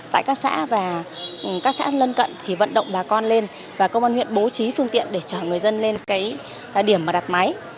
tại các xã và các xã lân cận vận động bà con lên và công an huyện bố trí phương tiện để chở người dân lên điểm đặt máy